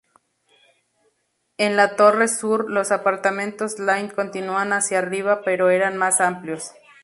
En la torre sur los apartamentos C-line continúan hasta arriba pero eran más amplios.